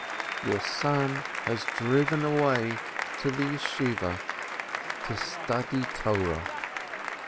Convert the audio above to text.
Your son has driven away to the Academy to study Torah